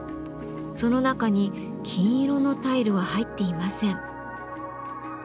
その中に金色のタイルは入っていません。